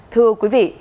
thưa quý vị